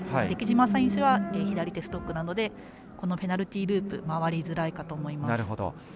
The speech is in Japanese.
出来島選手は左手ストックなのでこのペナルティーループ回りづらいかと思います。